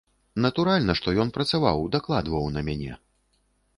Натуральна, што ён працаваў, дакладваў на мяне.